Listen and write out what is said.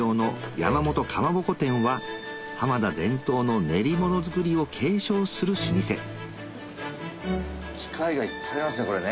山本蒲鉾店は浜田伝統の練り物作りを継承する老舗機械がいっぱいありますね。